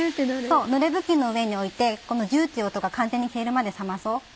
そうぬれ布巾の上に置いてこのジュっていう音が完全に消えるまで冷まそう。